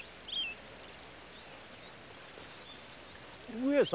上様！